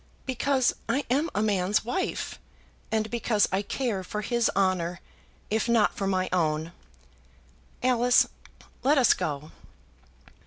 "Because I am a man's wife, and because I care for his honour, if not for my own. Alice, let us go."